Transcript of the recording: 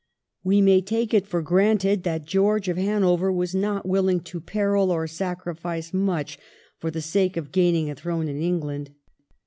1714 GEOKGE'S ATTITUDE. 371 We may take it for granted that George of Hanover was not willing to peril or sacrifice much for the sake of gaining a throne in England.